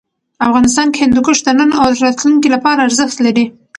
افغانستان کې هندوکش د نن او راتلونکي لپاره ارزښت لري.